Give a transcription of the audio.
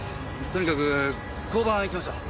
とにかく交番行きましょう。